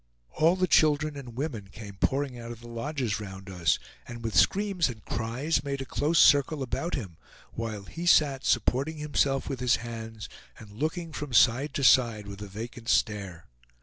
All the children and women came pouring out of the lodges round us, and with screams and cries made a close circle about him, while he sat supporting himself with his hands, and looking from side to side with a vacant stare.